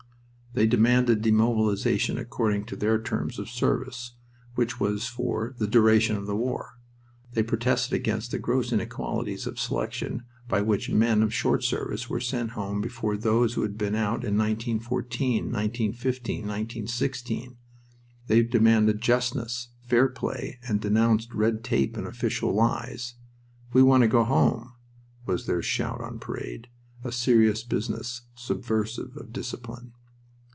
They demanded demobilization according to their terms of service, which was for "the duration of the war." They protested against the gross inequalities of selection by which men of short service were sent home before those who had been out in 1914, 1915, 1916. They demanded justness, fair play, and denounced red tape and official lies. "We want to go home!" was their shout on parade. A serious business, subversive of discipline.